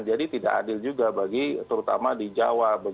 jadi tidak adil juga bagi terutama di jawa